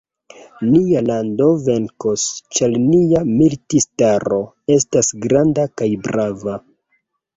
Nia lando venkos, ĉar nia militistaro estas granda kaj brava.